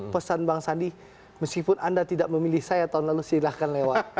pesan bang sandi meskipun anda tidak memilih saya tahun lalu silahkan lewat